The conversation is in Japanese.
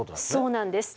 そうなんです。